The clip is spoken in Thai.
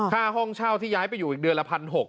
ห้องเช่าที่ย้ายไปอยู่อีกเดือนละ๑๖๐๐